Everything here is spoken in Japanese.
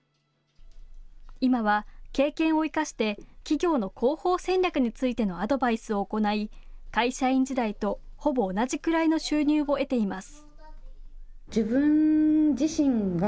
今は経験を生かして企業の広報戦略についてのアドバイスを行い会社員時代とほぼ同じくらいの収入を得ています。